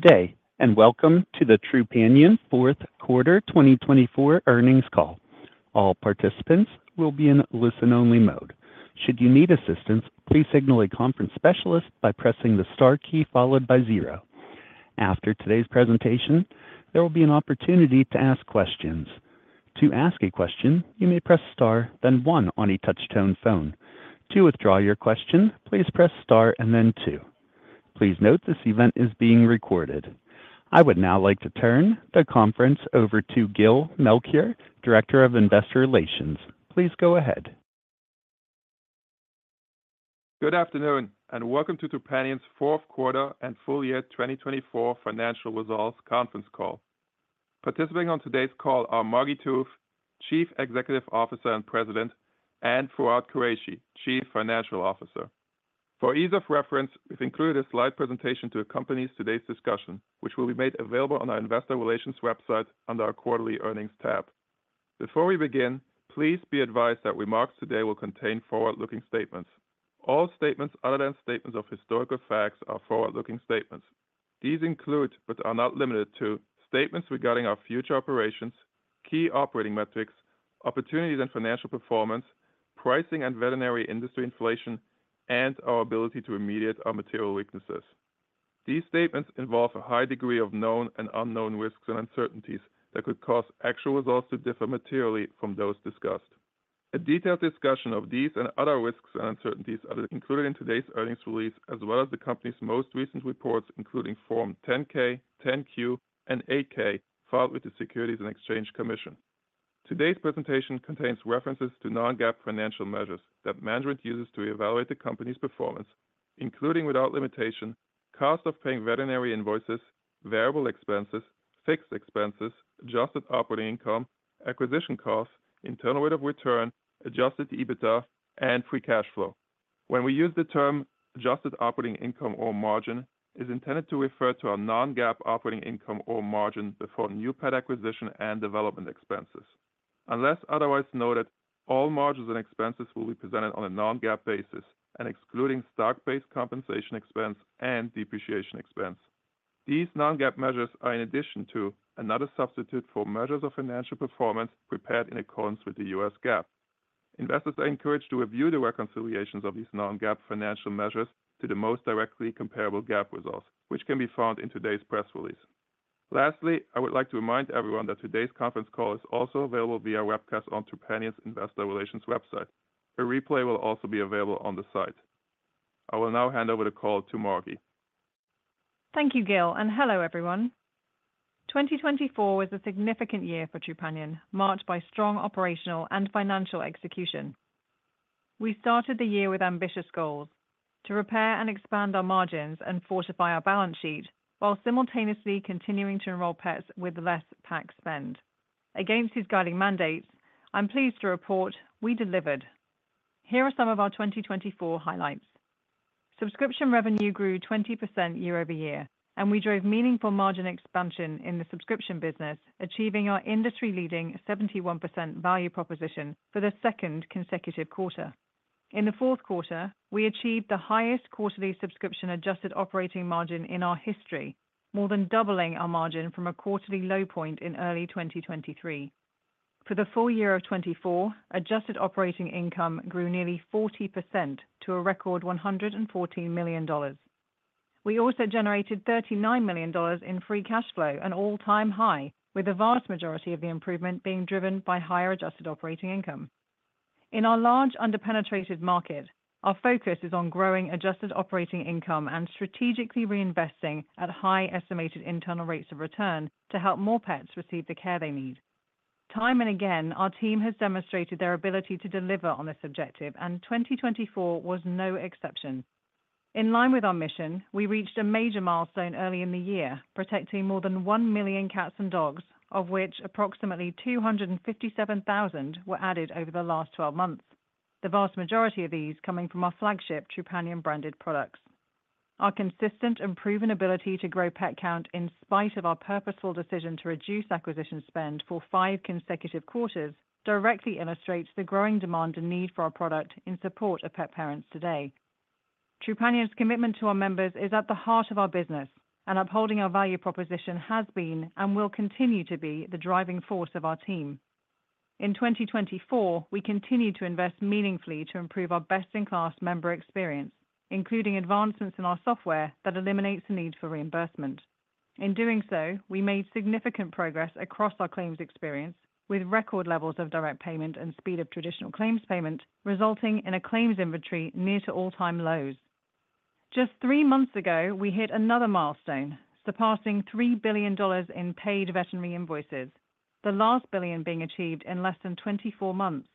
Good day, and welcome to the Trupanion Q4 2024 Earnings Call. All participants will be in listen-only mode. Should you need assistance, please signal a conference specialist by pressing the star key followed by zero. After today's presentation, there will be an opportunity to ask questions. To ask a question, you may press star, then one on a touch-tone phone. To withdraw your question, please press star and then two. Please note this event is being recorded. I would now like to turn the conference over to Gil Melchior, Director of Investor Relations. Please go ahead. Good afternoon, and welcome to Trupanion's Q4 and Full Year 2024 Financial Results Conference Call. Participating on today's call are Margi Tooth, Chief Executive Officer and President, and Fawwad Qureshi, Chief Financial Officer. For ease of reference, we've included a slide presentation to accompany today's discussion, which will be made available on our Investor Relations website under our Quarterly Earnings tab. Before we begin, please be advised that remarks today will contain forward-looking statements. All statements other than statements of historical facts are forward-looking statements. These include, but are not limited to, statements regarding our future operations, key operating metrics, opportunities in financial performance, pricing and veterinary industry inflation, and our ability to remediate our material weaknesses. These statements involve a high degree of known and unknown risks and uncertainties that could cause actual results to differ materially from those discussed. A detailed discussion of these and other risks and uncertainties are included in today's earnings release, as well as the company's most recent reports, including Form 10-K, 10-Q, and 8-K filed with the Securities and Exchange Commission. Today's presentation contains references to non-GAAP financial measures that management uses to evaluate the company's performance, including without limitation, cost of paying veterinary invoices, variable expenses, fixed expenses, adjusted operating income, acquisition costs, internal rate of return, adjusted EBITDA, and free cash flow. When we use the term adjusted operating income or margin, it is intended to refer to a non-GAAP operating income or margin before new pet acquisition and development expenses. Unless otherwise noted, all margins and expenses will be presented on a non-GAAP basis, excluding stock-based compensation expense and depreciation expense. These non-GAAP measures are, in addition to, another substitute for measures of financial performance prepared in accordance with the U.S. GAAP. Investors are encouraged to review the reconciliations of these non-GAAP financial measures to the most directly comparable GAAP results, which can be found in today's press release. Lastly, I would like to remind everyone that today's conference call is also available via webcast on Trupanion's Investor Relations website. A replay will also be available on the site. I will now hand over the call to Margi. Thank you, Gil, and hello everyone. 2024 was a significant year for Trupanion, marked by strong operational and financial execution. We started the year with ambitious goals: to repair and expand our margins and fortify our balance sheet, while simultaneously continuing to enroll pets with less PAC spend. Against these guiding mandates, I'm pleased to report we delivered. Here are some of our 2024 highlights. Subscription revenue grew 20% year over year, and we drove meaningful margin expansion in the subscription business, achieving our industry-leading 71% value proposition for the second consecutive quarter. In the Q4, we achieved the highest quarterly subscription adjusted operating margin in our history, more than doubling our margin from a quarterly low point in early 2023. For the full year of 2024, adjusted operating income grew nearly 40% to a record $114 million. We also generated $39 million in free cash flow, an all-time high, with the vast majority of the improvement being driven by higher adjusted operating income. In our large under-penetrated market, our focus is on growing adjusted operating income and strategically reinvesting at high estimated internal rates of return to help more pets receive the care they need. Time and again, our team has demonstrated their ability to deliver on this objective, and 2024 was no exception. In line with our mission, we reached a major milestone early in the year, protecting more than one million cats and dogs, of which approximately 257,000 were added over the last 12 months, the vast majority of these coming from our flagship Trupanion branded products. Our consistent and proven ability to grow pet count in spite of our purposeful decision to reduce acquisition spend for five consecutive quarters directly illustrates the growing demand and need for our product in support of pet parents today. Trupanion's commitment to our members is at the heart of our business, and upholding our value proposition has been and will continue to be the driving force of our team. In 2024, we continue to invest meaningfully to improve our best-in-class member experience, including advancements in our software that eliminates the need for reimbursement. In doing so, we made significant progress across our claims experience, with record levels of direct payment and speed of traditional claims payment, resulting in a claims inventory near to all-time lows. Just three months ago, we hit another milestone, surpassing $3 billion in paid veterinary invoices, the last billion being achieved in less than 24 months.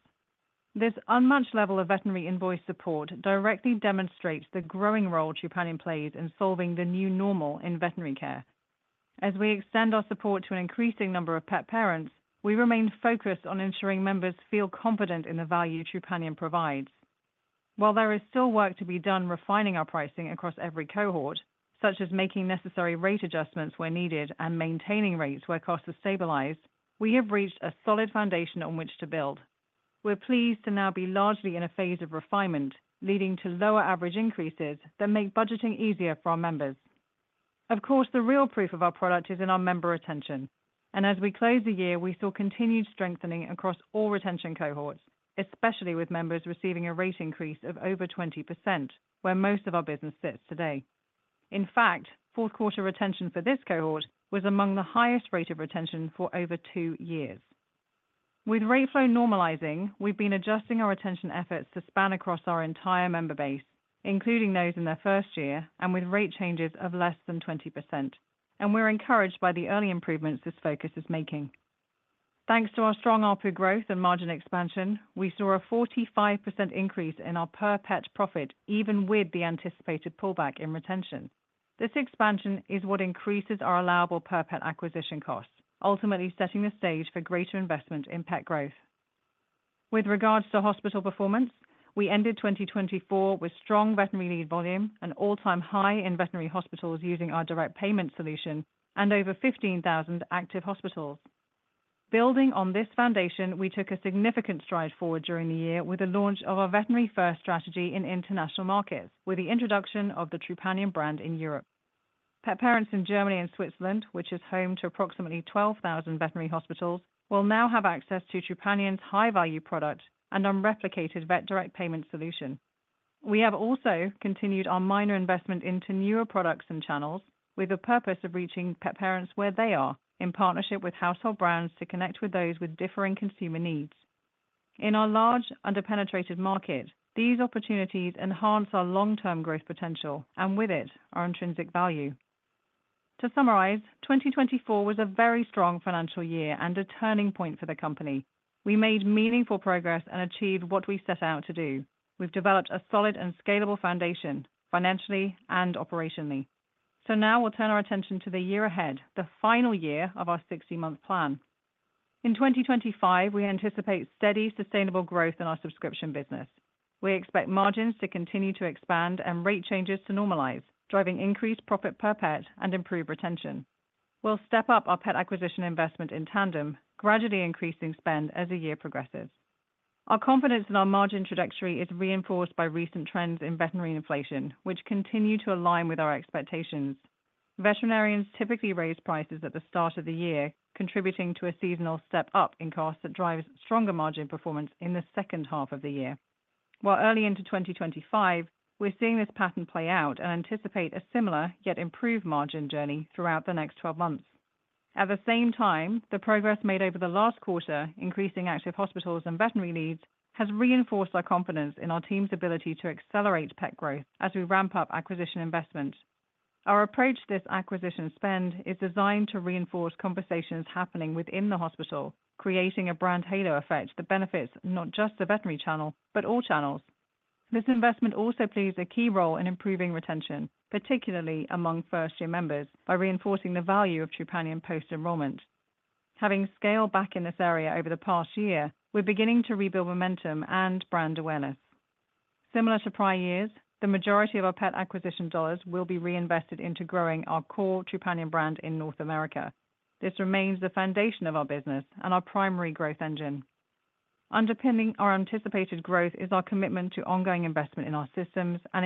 This unmatched level of veterinary invoice support directly demonstrates the growing role Trupanion plays in solving the new normal in veterinary care. As we extend our support to an increasing number of pet parents, we remain focused on ensuring members feel confident in the value Trupanion provides. While there is still work to be done refining our pricing across every cohort, such as making necessary rate adjustments where needed and maintaining rates where costs are stabilized, we have reached a solid foundation on which to build. We're pleased to now be largely in a phase of refinement, leading to lower average increases that make budgeting easier for our members. Of course, the real proof of our product is in our member retention, and as we close the year, we saw continued strengthening across all retention cohorts, especially with members receiving a rate increase of over 20%, where most of our business sits today. In fact, Q4 retention for this cohort was among the highest rate of retention for over two years. With rate flow normalizing, we've been adjusting our retention efforts to span across our entire member base, including those in their first year and with rate changes of less than 20%, and we're encouraged by the early improvements this focus is making. Thanks to our strong RPU growth and margin expansion, we saw a 45% increase in our per-pet profit, even with the anticipated pullback in retention. This expansion is what increases our allowable per-pet acquisition costs, ultimately setting the stage for greater investment in pet growth. With regards to hospital performance, we ended 2024 with strong veterinary need volume, an all-time high in veterinary hospitals using our direct payment solution, and over 15,000 active hospitals. Building on this foundation, we took a significant stride forward during the year with the launch of our Veterinary First strategy in international markets, with the introduction of the Trupanion brand in Europe. Pet parents in Germany and Switzerland, which is home to approximately 12,000 veterinary hospitals, will now have access to Trupanion's high-value product and unreplicated vet direct payment solution. We have also continued our minor investment into newer products and channels with the purpose of reaching pet parents where they are, in partnership with household brands to connect with those with differing consumer needs. In our large under-penetrated market, these opportunities enhance our long-term growth potential and, with it, our intrinsic value. To summarize, 2024 was a very strong financial year and a turning point for the company. We made meaningful progress and achieved what we set out to do. We've developed a solid and scalable foundation financially and operationally. So now we'll turn our attention to the year ahead, the final year of our 60-month plan. In 2025, we anticipate steady, sustainable growth in our subscription business. We expect margins to continue to expand and rate changes to normalize, driving increased profit per pet and improved retention. We'll step up our pet acquisition investment in tandem, gradually increasing spend as the year progresses. Our confidence in our margin trajectory is reinforced by recent trends in veterinary inflation, which continue to align with our expectations. Veterinarians typically raise prices at the start of the year, contributing to a seasonal step-up in costs that drives stronger margin performance in the second half of the year. While early into 2025, we're seeing this pattern play out and anticipate a similar yet improved margin journey throughout the next 12 months. At the same time, the progress made over the last quarter, increasing active hospitals and veterinary leads, has reinforced our confidence in our team's ability to accelerate pet growth as we ramp up acquisition investment. Our approach to this acquisition spend is designed to reinforce conversations happening within the hospital, creating a brand halo effect that benefits not just the veterinary channel, but all channels. This investment also plays a key role in improving retention, particularly among first-year members, by reinforcing the value of Trupanion post-enrollment. Having scaled back in this area over the past year, we're beginning to rebuild momentum and brand awareness. Similar to prior years, the majority of our pet acquisition dollars will be reinvested into growing our core Trupanion brand in North America. This remains the foundation of our business and our primary growth engine. Underpinning our anticipated growth is our commitment to ongoing investment in our systems and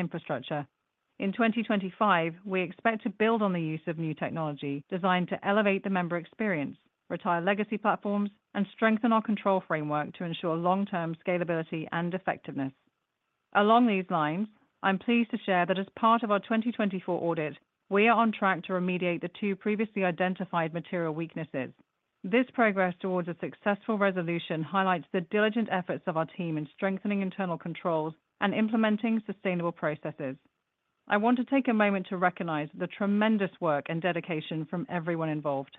infrastructure. In 2025, we expect to build on the use of new technology designed to elevate the member experience, retire legacy platforms, and strengthen our control framework to ensure long-term scalability and effectiveness. Along these lines, I'm pleased to share that as part of our 2024 audit, we are on track to remediate the two previously identified material weaknesses. This progress towards a successful resolution highlights the diligent efforts of our team in strengthening internal controls and implementing sustainable processes. I want to take a moment to recognize the tremendous work and dedication from everyone involved.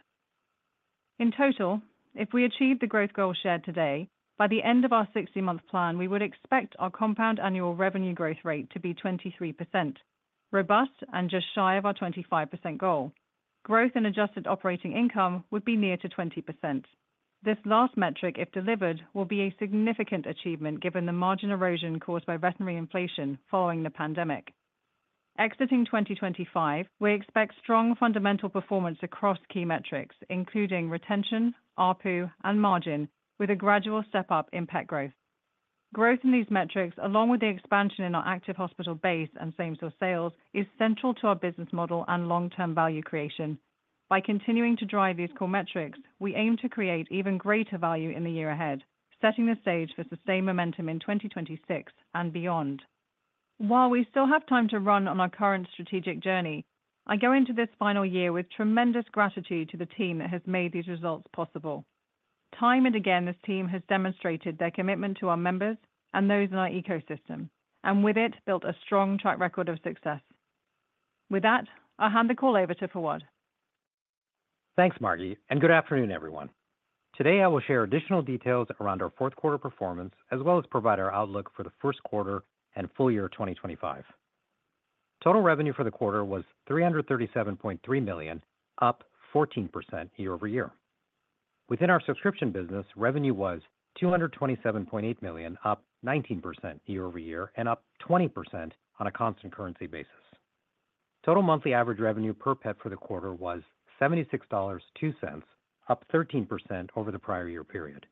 In total, if we achieve the growth goal shared today, by the end of our 60-month plan, we would expect our compound annual revenue growth rate to be 23%, robust and just shy of our 25% goal. Growth in adjusted operating income would be near to 20%. This last metric, if delivered, will be a significant achievement given the margin erosion caused by veterinary inflation following the pandemic. Exiting 2025, we expect strong fundamental performance across key metrics, including retention, RPU, and margin, with a gradual step-up in pet growth. Growth in these metrics, along with the expansion in our active hospital base and same-store sales, is central to our business model and long-term value creation. By continuing to drive these core metrics, we aim to create even greater value in the year ahead, setting the stage for sustained momentum in 2026 and beyond. While we still have time to run on our current strategic journey, I go into this final year with tremendous gratitude to the team that has made these results possible. Time and again, this team has demonstrated their commitment to our members and those in our ecosystem, and with it, built a strong track record of success. With that, I'll hand the call over to Fawwad. Thanks, Margi, and good afternoon, everyone. Today, I will share additional details around our Q4 performance, as well as provide our outlook for the Q1 and full year 2025. Total revenue for the quarter was $337.3 million, up 14% year over year. Within our subscription business, revenue was $227.8 million, up 19% year over year, and up 20% on a constant currency basis. Total monthly average revenue per pet for the quarter was $76.02, up 13% over the prior year period.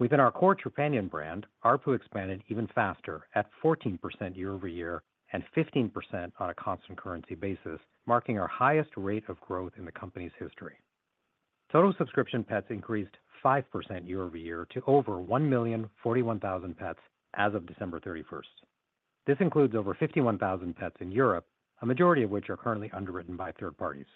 Within our core Trupanion brand, RPU expanded even faster at 14% year over year and 15% on a constant currency basis, marking our highest rate of growth in the company's history. Total subscription pets increased 5% year over year to over 1,041,000 pets as of December 31st. This includes over 51,000 pets in Europe, a majority of which are currently underwritten by third parties.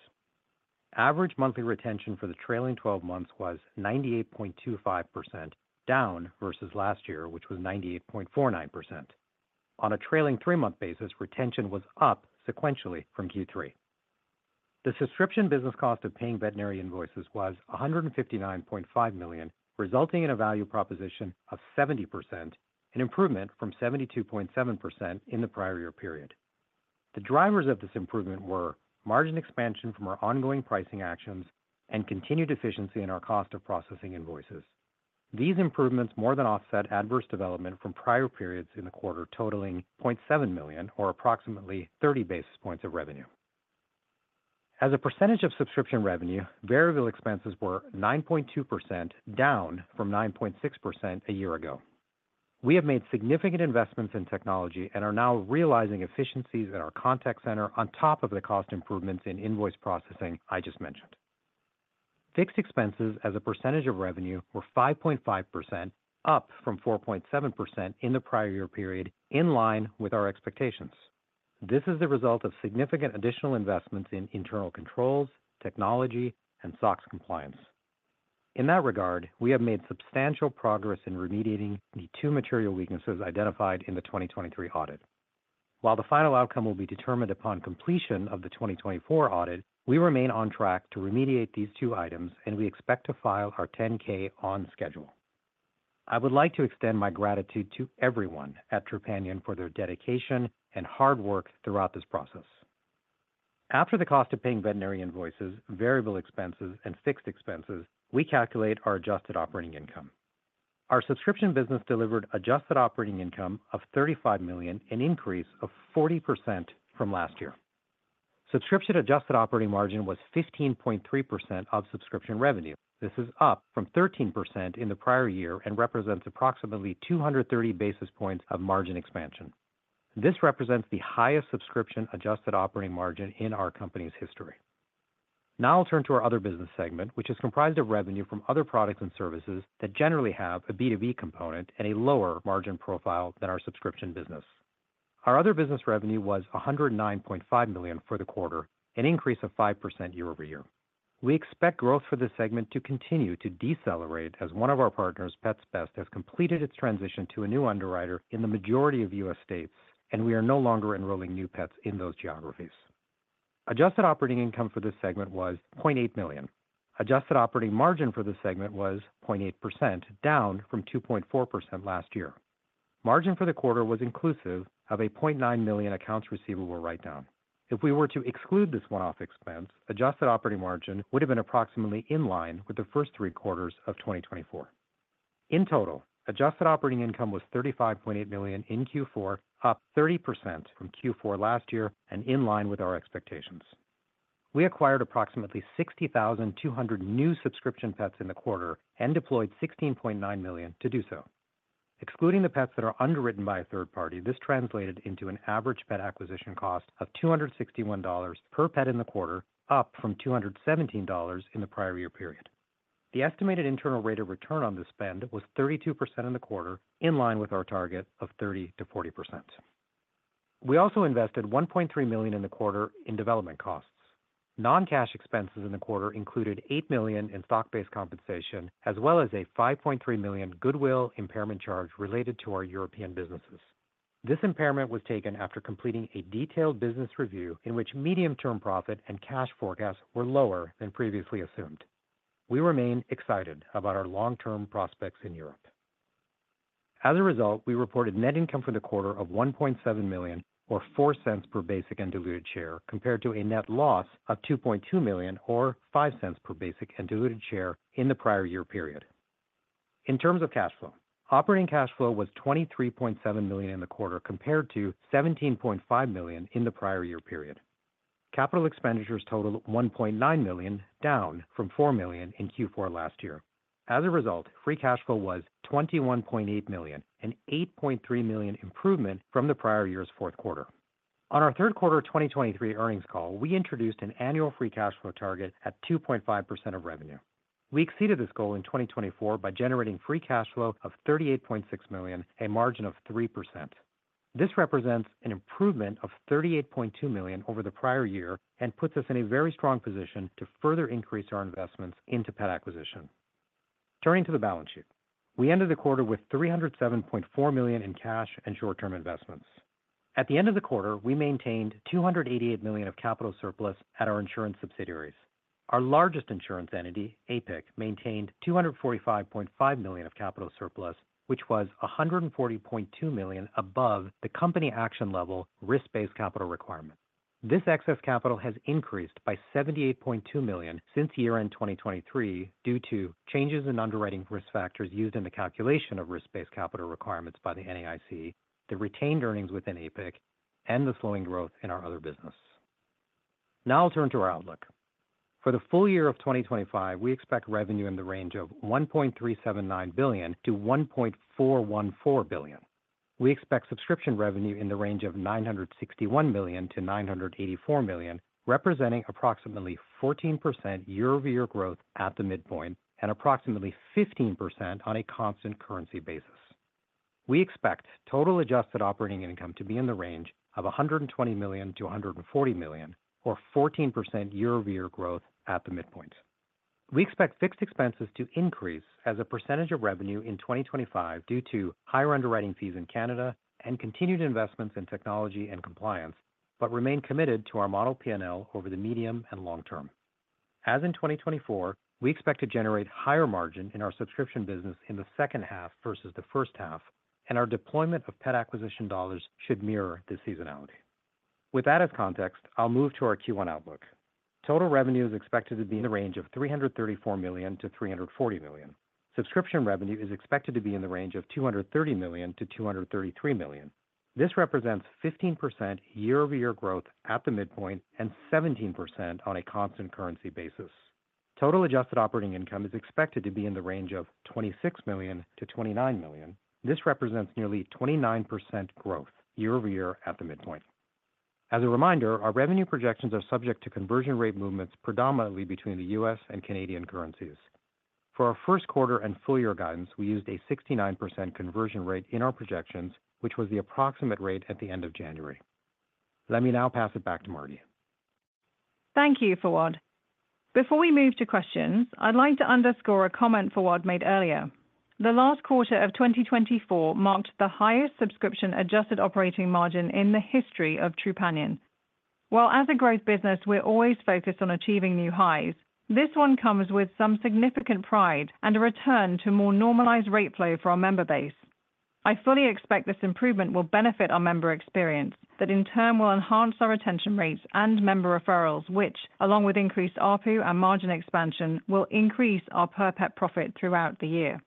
Average monthly retention for the trailing 12 months was 98.25%, down versus last year, which was 98.49%. On a trailing three-month basis, retention was up sequentially from Q3. The subscription business cost of paying veterinary invoices was $159.5 million, resulting in a value proposition of 70%, an improvement from 72.7% in the prior year period. The drivers of this improvement were margin expansion from our ongoing pricing actions and continued efficiency in our cost of processing invoices. These improvements more than offset adverse development from prior periods in the quarter, totaling $0.7 million, or approximately 30 basis points of revenue. As a percentage of subscription revenue, variable expenses were 9.2%, down from 9.6% a year ago. We have made significant investments in technology and are now realizing efficiencies in our contact center on top of the cost improvements in invoice processing I just mentioned. Fixed expenses, as a percentage of revenue, were 5.5%, up from 4.7% in the prior year period, in line with our expectations. This is the result of significant additional investments in internal controls, technology, and SOX compliance. In that regard, we have made substantial progress in remediating the two material weaknesses identified in the 2023 audit. While the final outcome will be determined upon completion of the 2024 audit, we remain on track to remediate these two items, and we expect to file our 10-K on schedule. I would like to extend my gratitude to everyone at Trupanion for their dedication and hard work throughout this process. After the cost of paying veterinary invoices, variable expenses, and fixed expenses, we calculate our adjusted operating income. Our subscription business delivered adjusted operating income of $35 million, an increase of 40% from last year. Subscription adjusted operating margin was 15.3% of subscription revenue. This is up from 13% in the prior year and represents approximately 230 basis points of margin expansion. This represents the highest subscription adjusted operating margin in our company's history. Now I'll turn to our other business segment, which is comprised of revenue from other products and services that generally have a B2B component and a lower margin profile than our subscription business. Our other business revenue was $109.5 million for the quarter, an increase of 5% year over year. We expect growth for this segment to continue to decelerate as one of our partners, Pets Best, has completed its transition to a new underwriter in the majority of U.S. states, and we are no longer enrolling new pets in those geographies. Adjusted operating income for this segment was $0.8 million. Adjusted operating margin for this segment was 0.8%, down from 2.4% last year. Margin for the quarter was inclusive of a $0.9 million accounts receivable write-down. If we were to exclude this one-off expense, adjusted operating margin would have been approximately in line with the first three quarters of 2024. In total, adjusted operating income was $35.8 million in Q4, up 30% from Q4 last year, and in line with our expectations. We acquired approximately 60,200 new subscription pets in the quarter and deployed $16.9 million to do so. Excluding the pets that are underwritten by a third party, this translated into an average pet acquisition cost of $261 per pet in the quarter, up from $217 in the prior year period. The estimated internal rate of return on this spend was 32% in the quarter, in line with our target of 30%-40%. We also invested $1.3 million in the quarter in development costs. Non-cash expenses in the quarter included $8 million in stock-based compensation, as well as a $5.3 million goodwill impairment charge related to our European businesses. This impairment was taken after completing a detailed business review in which medium-term profit and cash forecasts were lower than previously assumed. We remain excited about our long-term prospects in Europe. As a result, we reported net income for the quarter of $1.7 million, or $0.04 per basic and diluted share, compared to a net loss of $2.2 million, or $0.05 per basic and diluted share in the prior year period. In terms of cash flow, operating cash flow was $23.7 million in the quarter, compared to $17.5 million in the prior year period. Capital expenditures totaled $1.9 million, down from $4 million in Q4 last year. As a result, free cash flow was $21.8 million, an $8.3 million improvement from the prior year's Q4. On our Q3 2023 Earnings Call, we introduced an annual free cash flow target at 2.5% of revenue. We exceeded this goal in 2024 by generating free cash flow of $38.6 million, a margin of 3%. This represents an improvement of $38.2 million over the prior year and puts us in a very strong position to further increase our investments into pet acquisition. Turning to the balance sheet, we ended the quarter with $307.4 million in cash and short-term investments. At the end of the quarter, we maintained $288 million of capital surplus at our insurance subsidiaries. Our largest insurance entity, APIC, maintained $245.5 million of capital surplus, which was $140.2 million above the company action level risk-based capital requirement. This excess capital has increased by $78.2 million since year-end 2023 due to changes in underwriting risk factors used in the calculation of risk-based capital requirements by the NAIC, the retained earnings within APIC, and the slowing growth in our other business. Now I'll turn to our outlook. For the full year of 2025, we expect revenue in the range of $1.379 billion-$1.414 billion. We expect subscription revenue in the range of $961 million-$984 million, representing approximately 14% year-over-year growth at the midpoint and approximately 15% on a constant currency basis. We expect total adjusted operating income to be in the range of $120 million-$140 million, or 14% year-over-year growth at the midpoint. We expect fixed expenses to increase as a percentage of revenue in 2025 due to higher underwriting fees in Canada and continued investments in technology and compliance, but remain committed to our model P&L over the medium and long term. As in 2024, we expect to generate higher margin in our subscription business in the second half versus the first half, and our deployment of pet acquisition dollars should mirror this seasonality. With that as context, I'll move to our Q1 outlook. Total revenue is expected to be in the range of $334 million-$340 million. Subscription revenue is expected to be in the range of $230 million-$233 million. This represents 15% year-over-year growth at the midpoint and 17% on a constant currency basis. Total adjusted operating income is expected to be in the range of $26 million-$29 million. This represents nearly 29% growth year-over-year at the midpoint. As a reminder, our revenue projections are subject to conversion rate movements predominantly between the U.S. and Canadian currencies. For our Q1 and full year guidance, we used a 69% conversion rate in our projections, which was the approximate rate at the end of January. Let me now pass it back to Margi. Thank you, Fawwad. Before we move to questions, I'd like to underscore a comment Fawwad made earlier. The last quarter of 2024 marked the highest subscription adjusted operating margin in the history of Trupanion. While as a growth business, we're always focused on achieving new highs, this one comes with some significant pride and a return to more normalized rate flow for our member base. I fully expect this improvement will benefit our member experience, that in turn will enhance our retention rates and member referrals, which, along with increased RPU and margin expansion, will increase our per-pet profit throughout the year.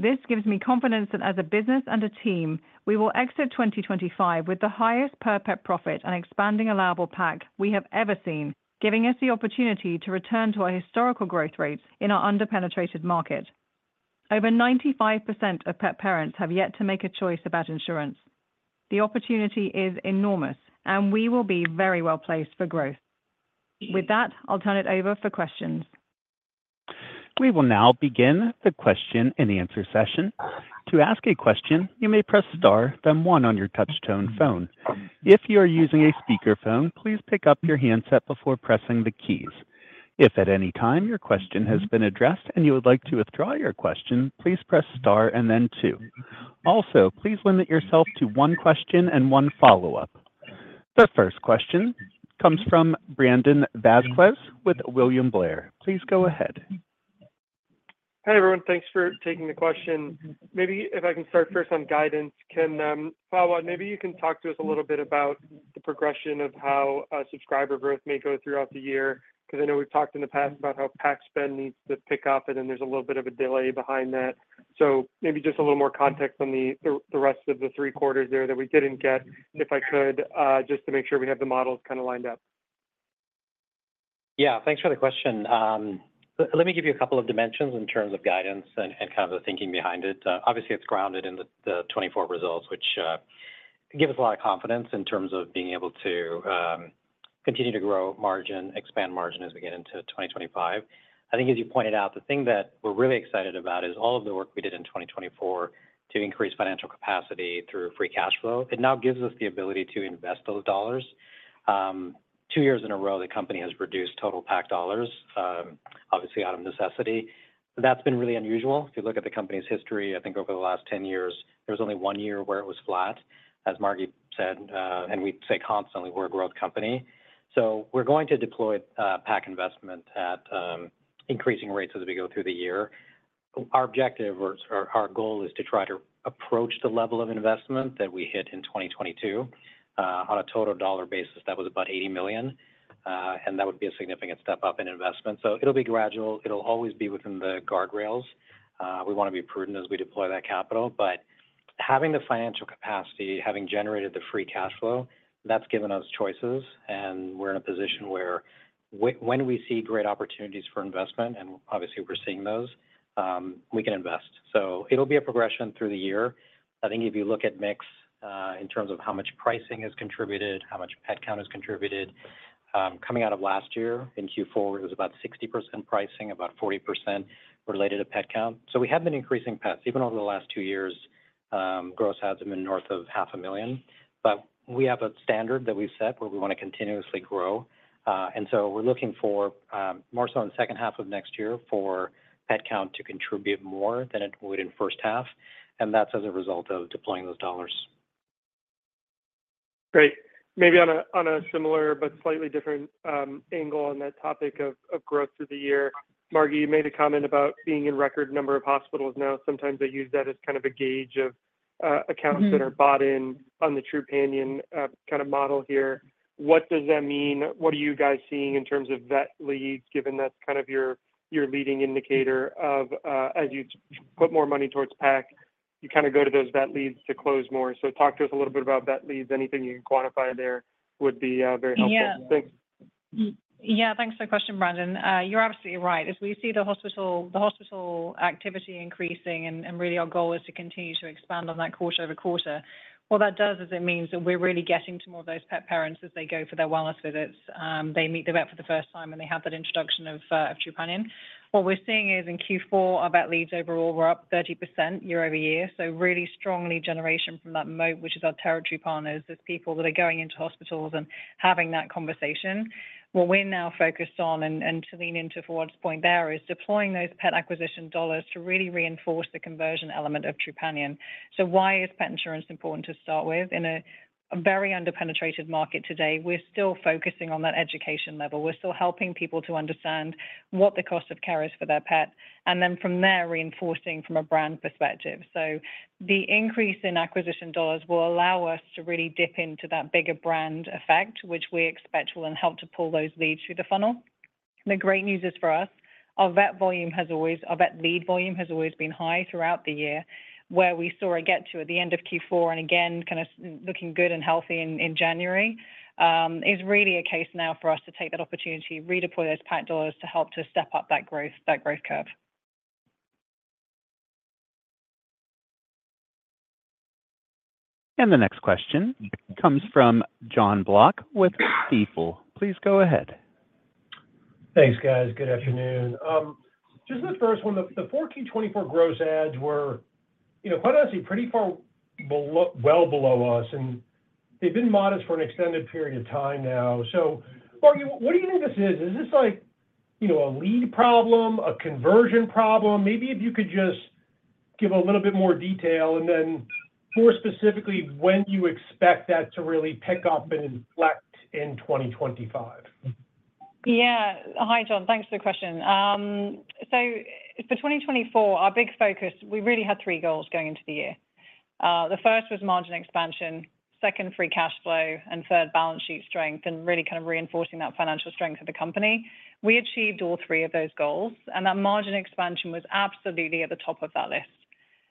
This gives me confidence that as a business and a team, we will exit 2025 with the highest per-pet profit and expanding allowable PAC we have ever seen, giving us the opportunity to return to our historical growth rates in our under-penetrated market. Over 95% of pet parents have yet to make a choice about insurance. The opportunity is enormous, and we will be very well placed for growth. With that, I'll turn it over for questions. We will now begin the question and answer session. To ask a question, you may press Star, then 1 on your touch-tone phone. If you are using a speakerphone, please pick up your handset before pressing the keys. If at any time your question has been addressed and you would like to withdraw your question, please press Star and then 2. Also, please limit yourself to one question and one follow-up. The first question comes from Brandon Vazquez with William Blair. Please go ahead. Hi everyone. Thanks for taking the question. Maybe if I can start first on guidance. Fawwad, maybe you can talk to us a little bit about the progression of how subscriber growth may go throughout the year, because I know we've talked in the past about how PAC spend needs to pick up, and then there's a little bit of a delay behind that. So maybe just a little more context on the rest of the three quarters there that we didn't get, if I could, just to make sure we have the models kind of lined up. Yeah, thanks for the question. Let me give you a couple of dimensions in terms of guidance and kind of the thinking behind it. Obviously, it's grounded in the 2024 results, which give us a lot of confidence in terms of being able to continue to grow margin, expand margin as we get into 2025. I think as you pointed out, the thing that we're really excited about is all of the work we did in 2024 to increase financial capacity through free cash flow. It now gives us the ability to invest those dollars. Two years in a row, the company has reduced total PAC dollars, obviously out of necessity. That's been really unusual. If you look at the company's history, I think over the last 10 years, there was only one year where it was flat, as Margi said, and we say constantly we're a growth company. We're going to deploy PAC investment at increasing rates as we go through the year. Our objective or our goal is to try to approach the level of investment that we hit in 2022. On a total dollar basis, that was about $80 million, and that would be a significant step up in investment. It'll be gradual. It'll always be within the guardrails. We want to be prudent as we deploy that capital. But having the financial capacity, having generated the free cash flow, that's given us choices, and we're in a position where when we see great opportunities for investment, and obviously we're seeing those, we can invest. It'll be a progression through the year. I think if you look at mix in terms of how much pricing has contributed, how much pet count has contributed, coming out of last year in Q4, it was about 60% pricing, about 40% related to pet count. So we have been increasing pets. Even over the last two years, gross adds have been north of 500,000. But we have a standard that we've set where we want to continuously grow. And so we're looking for more so in the second half of next year for pet count to contribute more than it would in first half, and that's as a result of deploying those dollars. Great. Maybe on a similar but slightly different angle on that topic of growth through the year, Margi, you made a comment about being in record number of hospitals now. Sometimes they use that as kind of a gauge of accounts that are bought in on the Trupanion kind of model here. What does that mean? What are you guys seeing in terms of vet leads, given that's kind of your leading indicator of as you put more money towards PAC, you kind of go to those vet leads to close more? So talk to us a little bit about vet leads. Anything you can quantify there would be very helpful. Thanks. Yeah, thanks for the question, Brandon. You're absolutely right. As we see the hospital activity increasing, and really our goal is to continue to expand on that quarter over quarter, what that does is it means that we're really getting to more of those pet parents as they go for their wellness visits. They meet the vet for the first time, and they have that introduction of Trupanion. What we're seeing is in Q4, our vet leads overall were up 30% year-over-year. So really strong lead generation from that moat, which is our territory partners, those people that are going into hospitals and having that conversation. What we're now focused on, and to lean into Fawwad's point there, is deploying those pet acquisition dollars to really reinforce the conversion element of Trupanion. So why is pet insurance important to start with? In a very under-penetrated market today, we're still focusing on that education level. We're still helping people to understand what the cost of care is for their pet, and then from there reinforcing from a brand perspective. So the increase in acquisition dollars will allow us to really dip into that bigger brand effect, which we expect will help to pull those leads through the funnel. The great news is for us, our vet volume has always, our vet lead volume has always been high throughout the year, where we saw it get to at the end of Q4 and again kind of looking good and healthy in January. It's really a case now for us to take that opportunity, redeploy those PAC dollars to help to step up that growth curve. The next question comes from Jonathan Block with Stifel. Please go ahead. Thanks, guys. Good afternoon. Just the first one, the 2014-2024 gross ads were, you know, quite honestly, pretty far well below us, and they've been modest for an extended period of time now. So, Margi, what do you think this is? Is this like a lead problem, a conversion problem? Maybe if you could just give a little bit more detail and then more specifically when you expect that to really pick up and inflect in 2025. Yeah. Hi, John. Thanks for the question. So for 2024, our big focus, we really had three goals going into the year. The first was margin expansion, second, free cash flow, and third, balance sheet strength, and really kind of reinforcing that financial strength of the company. We achieved all three of those goals, and that margin expansion was absolutely at the top of that list.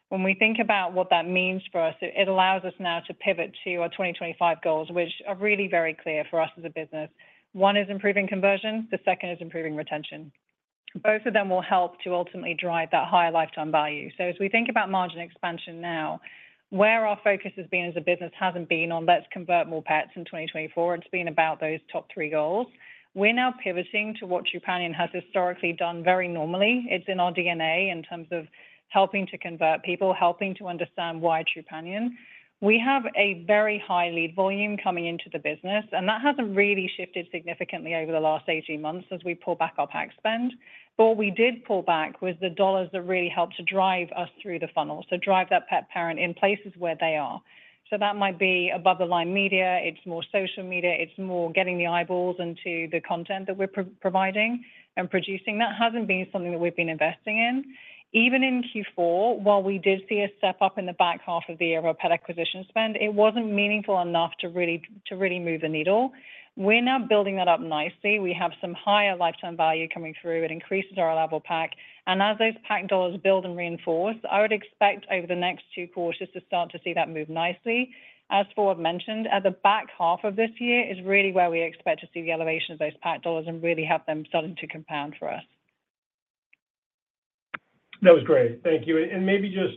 When we think about what that means for us, it allows us now to pivot to our 2025 goals, which are really very clear for us as a business. One is improving conversion. The second is improving retention. Both of them will help to ultimately drive that higher lifetime value. So as we think about margin expansion now, where our focus has been as a business hasn't been on let's convert more pets in 2024. It's been about those top three goals. We're now pivoting to what Trupanion has historically done very normally. It's in our DNA in terms of helping to convert people, helping to understand why Trupanion. We have a very high lead volume coming into the business, and that hasn't really shifted significantly over the last 18 months as we pull back our PAC spend. But what we did pull back was the dollars that really helped to drive us through the funnel, so drive that pet parent in places where they are. So that might be above-the-line media. It's more social media. It's more getting the eyeballs into the content that we're providing and producing. That hasn't been something that we've been investing in. Even in Q4, while we did see a step up in the back half of the year of our pet acquisition spend, it wasn't meaningful enough to really move the needle. We're now building that up nicely. We have some higher lifetime value coming through. It increases our allowable PAC. And as those PAC dollars build and reinforce, I would expect over the next two quarters to start to see that move nicely. As Fawwad mentioned, at the back half of this year is really where we expect to see the elevation of those PAC dollars and really have them starting to compound for us. That was great. Thank you, and maybe just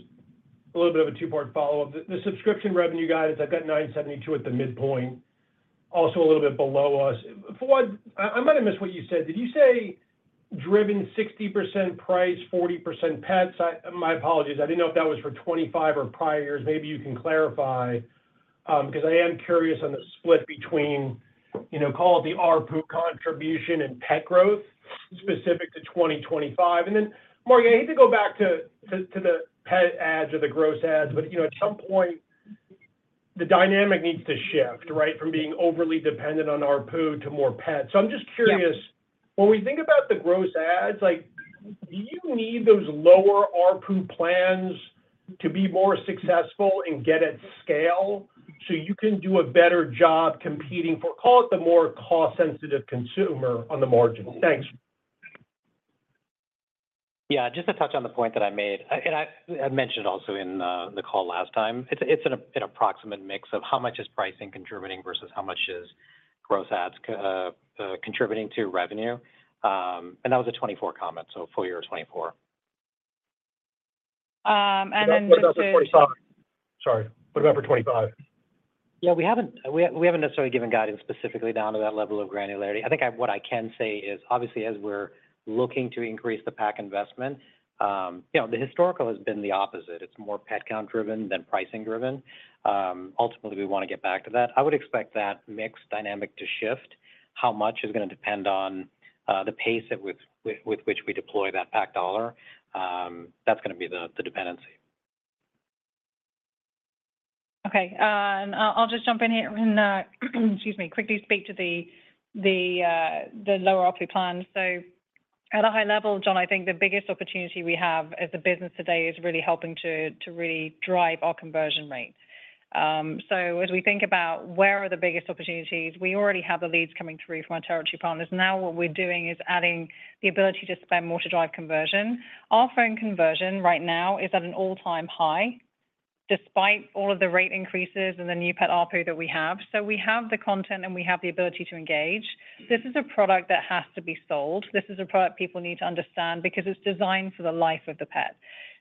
a little bit of a two-part follow-up. The subscription revenue guidance, I've got 972 at the midpoint, also a little bit below us. Fawwad, I might have missed what you said. Did you say driven 60% price, 40% pets? My apologies. I didn't know if that was for 2025 or prior years. Maybe you can clarify, because I am curious on the split between, you know, call it the RPU contribution and pet growth specific to 2025, and then, Margi, I hate to go back to the pet ads or the gross ads, but at some point, the dynamic needs to shift, right, from being overly dependent on RPU to more pets. So I'm just curious, when we think about the gross ads, do you need those lower RPU plans to be more successful and get at scale so you can do a better job competing for, call it the more cost-sensitive consumer on the margin? Thanks. Yeah, just to touch on the point that I made, and I mentioned also in the call last time, it's an approximate mix of how much is pricing contributing versus how much is gross ads contributing to revenue, and that was a 2024 comment, so full year 2024. And then just to. What about for 2025? Sorry. What about for 2025? Yeah, we haven't necessarily given guidance specifically down to that level of granularity. I think what I can say is, obviously, as we're looking to increase the PAC investment, you know, the historical has been the opposite. It's more pet count driven than pricing driven. Ultimately, we want to get back to that. I would expect that mixed dynamic to shift. How much is going to depend on the pace with which we deploy that PAC dollar? That's going to be the dependency. Okay. And I'll just jump in here and, excuse me, quickly speak to the lower RPU plan. So at a high level, John, I think the biggest opportunity we have as a business today is really helping to really drive our conversion rate. So as we think about where are the biggest opportunities, we already have the leads coming through from our territory partners. Now what we're doing is adding the ability to spend more to drive conversion. Our phone conversion right now is at an all-time high, despite all of the rate increases and the new pet RPU that we have. So we have the content, and we have the ability to engage. This is a product that has to be sold. This is a product people need to understand because it's designed for the life of the pet.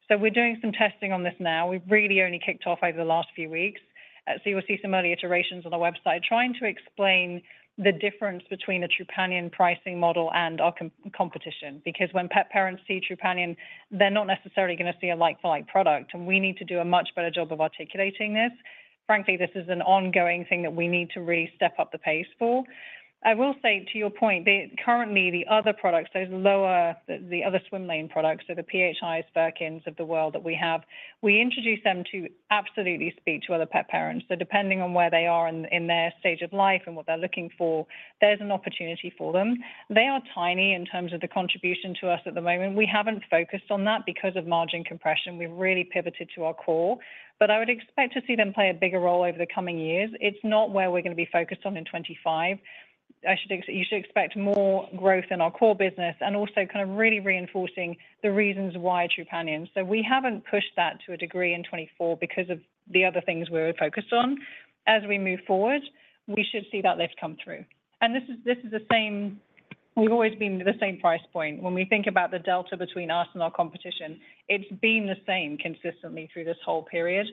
So we're doing some testing on this now. We've really only kicked off over the last few weeks. So you'll see some early iterations on our website trying to explain the difference between the Trupanion pricing model and our competition, because when pet parents see Trupanion, they're not necessarily going to see a like-for-like product. And we need to do a much better job of articulating this. Frankly, this is an ongoing thing that we need to really step up the pace for. I will say, to your point, currently the other products, those lower, the other swim lane products, so the PHIs, Furkin of the world that we have, we introduce them to absolutely speak to other pet parents. So depending on where they are in their stage of life and what they're looking for, there's an opportunity for them. They are tiny in terms of the contribution to us at the moment. We haven't focused on that because of margin compression. We've really pivoted to our core. But I would expect to see them play a bigger role over the coming years. It's not where we're going to be focused on in 2025. You should expect more growth in our core business and also kind of really reinforcing the reasons why Trupanion. So we haven't pushed that to a degree in 2024 because of the other things we're focused on. As we move forward, we should see that lift come through. And this is the same, we've always been the same price point. When we think about the delta between us and our competition, it's been the same consistently through this whole period.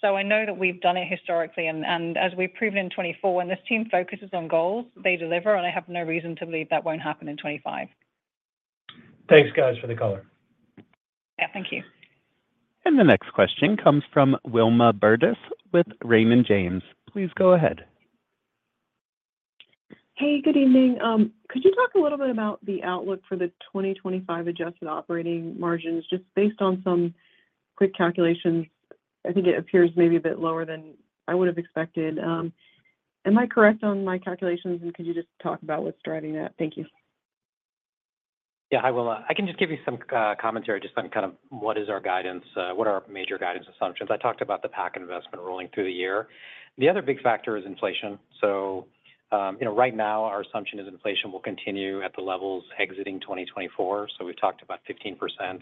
So I know that we've done it historically, and as we've proven in 2024, when this team focuses on goals, they deliver, and I have no reason to believe that won't happen in 2025. Thanks, guys, for the color. Yeah, thank you. The next question comes from Wilma Burdis with Raymond James. Please go ahead. Hey, good evening. Could you talk a little bit about the outlook for the 2025 adjusted operating margins just based on some quick calculations? I think it appears maybe a bit lower than I would have expected. Am I correct on my calculations, and could you just talk about what's driving that? Thank you. Yeah, I will. I can just give you some commentary just on kind of what is our guidance, what are our major guidance assumptions. I talked about the PAC investment rolling through the year. The other big factor is inflation. So, you know, right now our assumption is inflation will continue at the levels exiting 2024. So we've talked about 15%. And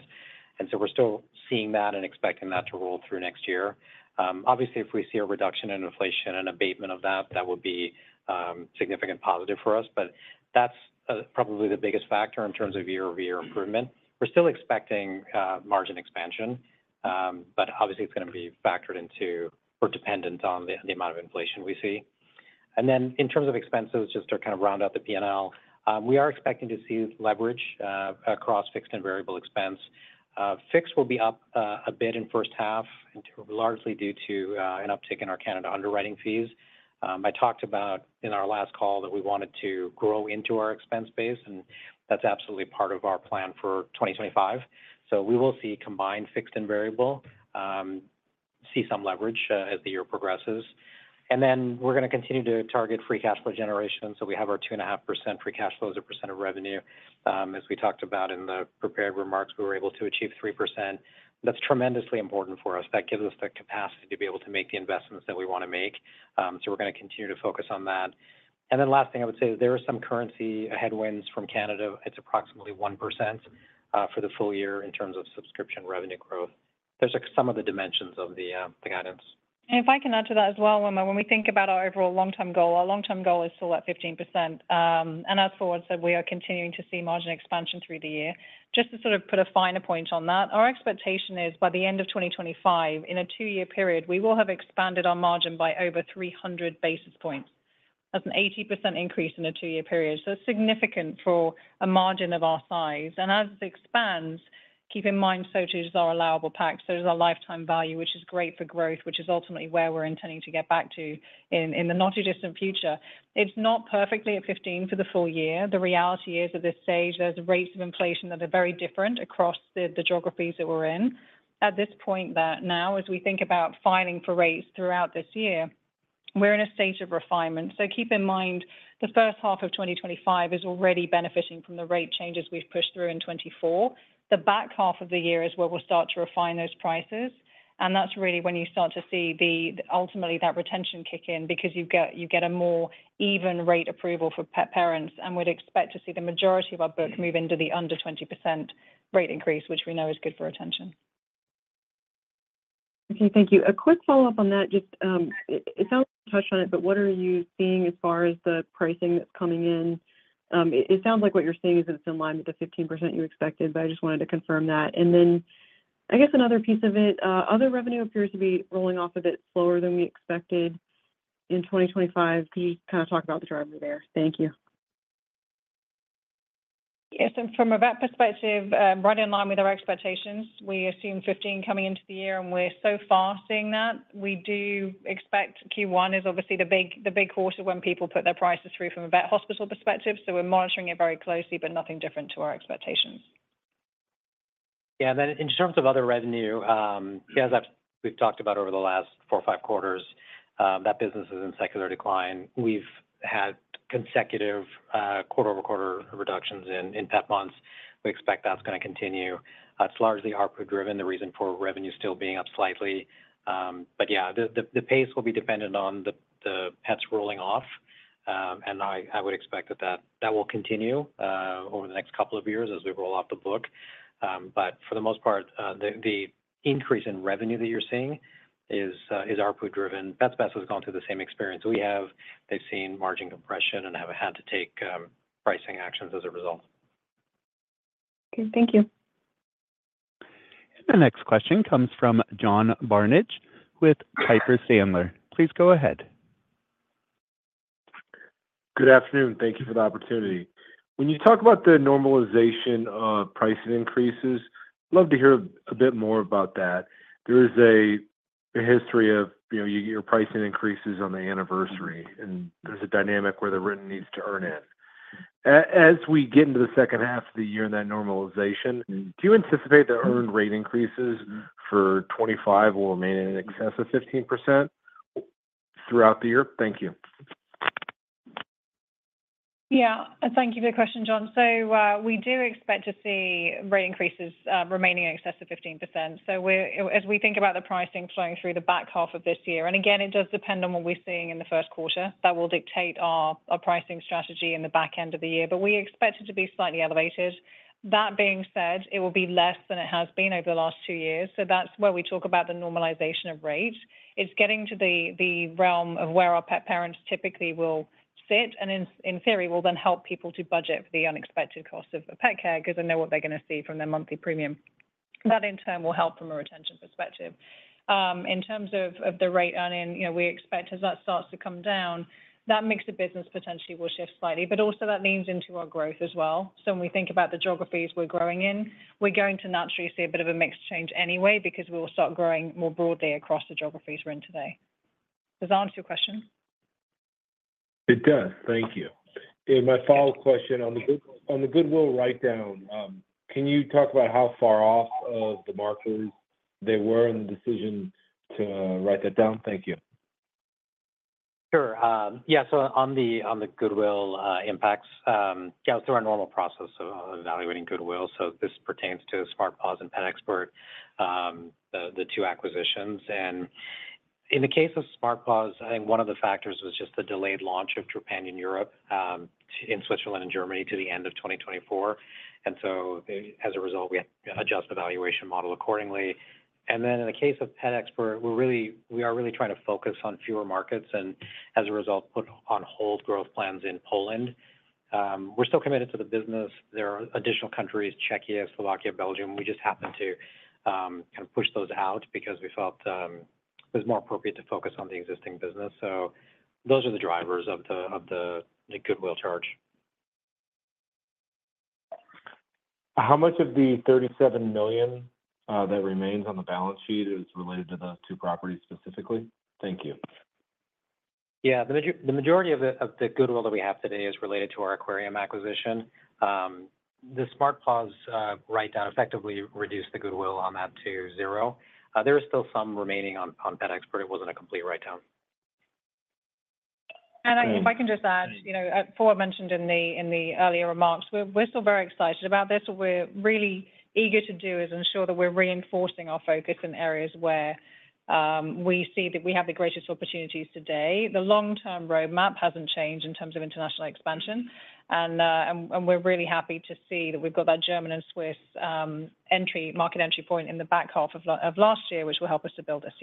so we're still seeing that and expecting that to roll through next year. Obviously, if we see a reduction in inflation and abatement of that, that would be a significant positive for us. But that's probably the biggest factor in terms of year-over-year improvement. We're still expecting margin expansion, but obviously it's going to be factored into or dependent on the amount of inflation we see. And then in terms of expenses, just to kind of round out the P&L, we are expecting to see leverage across fixed and variable expense. Fixed will be up a bit in first half, largely due to an uptick in our Canada underwriting fees. I talked about in our last call that we wanted to grow into our expense base, and that's absolutely part of our plan for 2025. So we will see combined fixed and variable, see some leverage as the year progresses. And then we're going to continue to target free cash flow generation. So we have our 2.5% free cash flow as a percent of revenue. As we talked about in the prepared remarks, we were able to achieve 3%. That's tremendously important for us. That gives us the capacity to be able to make the investments that we want to make. So we're going to continue to focus on that. And then last thing I would say, there are some currency headwinds from Canada. It's approximately 1% for the full year in terms of subscription revenue growth. There's some of the dimensions of the guidance. And if I can add to that as well, when we think about our overall long-term goal, our long-term goal is still at 15%. And as Fawwad said, we are continuing to see margin expansion through the year. Just to sort of put a finer point on that, our expectation is by the end of 2025, in a two-year period, we will have expanded our margin by over 300 basis points. That's an 80% increase in a two-year period. So it's significant for a margin of our size. And as it expands, keep in mind, so too does our allowable PAC, so does our lifetime value, which is great for growth, which is ultimately where we're intending to get back to in the not-too-distant future. It's not perfectly at 15 for the full year. The reality is at this stage, there's rates of inflation that are very different across the geographies that we're in. At this point now, as we think about filing for rates throughout this year, we're in a stage of refinement. So keep in mind, the first half of 2025 is already benefiting from the rate changes we've pushed through in 2024. The back half of the year is where we'll start to refine those prices. And that's really when you start to see ultimately that retention kick in because you get a more even rate approval for pet parents. And we'd expect to see the majority of our book move into the under 20% rate increase, which we know is good for retention. Okay, thank you. A quick follow-up on that. Just, it sounds like you touched on it, but what are you seeing as far as the pricing that's coming in? It sounds like what you're seeing is that it's in line with the 15% you expected, but I just wanted to confirm that. And then I guess another piece of it, other revenue appears to be rolling off a bit slower than we expected in 2025. Could you just kind of talk about the driver there? Thank you. Yes. And from a vet perspective, right in line with our expectations, we assume 15 coming into the year, and we're so far seeing that. We do expect Q1 is obviously the big quarter when people put their prices through from a vet hospital perspective. So we're monitoring it very closely, but nothing different to our expectations. Yeah. Then in terms of other revenue, as we've talked about over the last four or five quarters, that business is in secular decline. We've had consecutive quarter-over-quarter reductions in pet months. We expect that's going to continue. It's largely RPU-driven, the reason for revenue still being up slightly. But yeah, the pace will be dependent on the pets rolling off. And I would expect that that will continue over the next couple of years as we roll off the book. But for the most part, the increase in revenue that you're seeing is RPU-driven. Pets Best has gone through the same experience. We have, they've seen margin compression and have had to take pricing actions as a result. Okay. Thank you. And the next question comes from John Barnidge with Piper Sandler. Please go ahead. Good afternoon. Thank you for the opportunity. When you talk about the normalization of pricing increases, I'd love to hear a bit more about that. There is a history of your pricing increases on the anniversary, and there's a dynamic where the written needs to earn in. As we get into the second half of the year and that normalization, do you anticipate the earned rate increases for 2025 will remain in excess of 15% throughout the year? Thank you. Yeah. Thank you for the question, John. So we do expect to see rate increases remaining in excess of 15%. So as we think about the pricing flowing through the back half of this year, and again, it does depend on what we're seeing in the Q1 that will dictate our pricing strategy in the back end of the year, but we expect it to be slightly elevated. That being said, it will be less than it has been over the last two years. So that's where we talk about the normalization of rates. It's getting to the realm of where our pet parents typically will sit, and in theory, will then help people to budget for the unexpected cost of pet care because they know what they're going to see from their monthly premium. That in turn will help from a retention perspective. In terms of the rate earning, we expect as that starts to come down, that mix of business potentially will shift slightly, but also that leans into our growth as well. So when we think about the geographies we're growing in, we're going to naturally see a bit of a mixed change anyway because we will start growing more broadly across the geographies we're in today. Does that answer your question? It does. Thank you. And my follow-up question on the goodwill write-down, can you talk about how far off of the markers they were in the decision to write that down? Thank you. Sure. Yeah. So on the goodwill impacts, yeah, it's through our normal process of evaluating goodwill. So this pertains to Smart Paws and PetExpert, the two acquisitions. And in the case of Smart Paws, I think one of the factors was just the delayed launch of Trupanion Europe in Switzerland and Germany to the end of 2024. And so as a result, we had to adjust the valuation model accordingly. And then in the case of PetExpert, we are really trying to focus on fewer markets and as a result, put on hold growth plans in Poland. We're still committed to the business. There are additional countries, Czechia, Slovakia, Belgium. We just happened to kind of push those out because we felt it was more appropriate to focus on the existing business. So those are the drivers of the goodwill charge. How much of the $37 million that remains on the balance sheet is related to those two properties specifically? Thank you. Yeah. The majority of the goodwill that we have today is related to our Aquarium acquisition. The Smart Paws write-down effectively reduced the goodwill on that to zero. There is still some remaining on PetExpert. It wasn't a complete write-down. If I can just add, Fawwad mentioned in the earlier remarks, we're still very excited about this. What we're really eager to do is ensure that we're reinforcing our focus in areas where we see that we have the greatest opportunities today. The long-term roadmap hasn't changed in terms of international expansion. We're really happy to see that we've got that German and Swiss market entry point in the back half of last year, which will help us to build this.